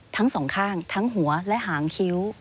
ทั้งสองข้างทั้งหัวและหางคิ้ว